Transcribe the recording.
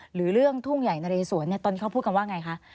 หรือเรื่องทุ่งใหญ่นะเรสวนตอนนี้เขาพูดกันว่าไงคะ